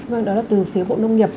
vâng đó là từ phía bộ nông nghiệp